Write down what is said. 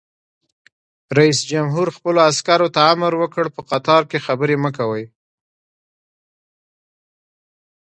رئیس جمهور خپلو عسکرو ته امر وکړ؛ په قطار کې خبرې مه کوئ!